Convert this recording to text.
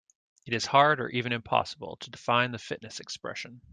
It is hard or even impossible to define the fitness expression.